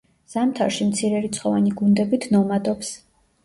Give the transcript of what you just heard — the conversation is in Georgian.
ზამთარში მცირერიცხოვანი გუნდებით ნომადობს.